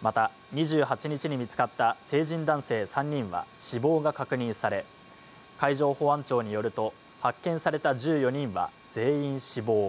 また、２８日に見つかった成人男性３人は死亡が確認され、海上保安庁によると、発見された１４人は全員死亡。